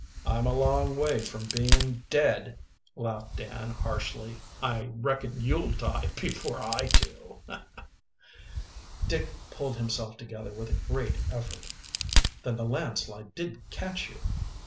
"I'm a long way from being dead," laughed Dan harshly. "I reckon you'll die before I do." Dick pulled himself together with a great effort. "Then the landslide didn't catch you?"